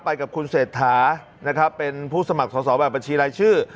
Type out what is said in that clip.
ไปกับคุณเศรษฐานะครับเป็นผู้สมัครสอบแบบบัญชีรายชื่อ